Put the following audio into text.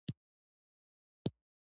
د کال په پای کې غړو ته یو کتاب ویشل کیږي.